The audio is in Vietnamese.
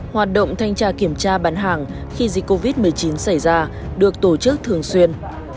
hoạt động thanh tra kiểm tra bán hàng khi dịch covid một mươi chín xảy ra được tổ chức thường xuyên